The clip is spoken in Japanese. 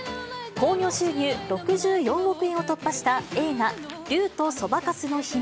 興行収入６４億円を突破した映画、竜とそばかすの姫。